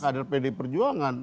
kader pdi perjuangan